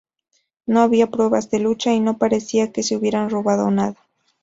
No había pruebas de lucha y no parecía que se hubiera robado nada.